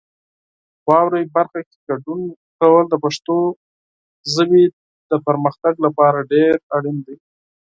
واورئ برخه کې ګډون کول د پښتو ژبې د پرمختګ لپاره ډېر اړین دی.